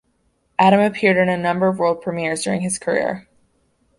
Adam appeared in a number of world premieres during his career.